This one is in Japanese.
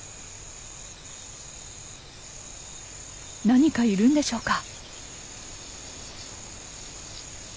何かいるんでしょうか？